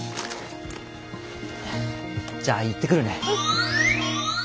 じゃあ行ってくるね。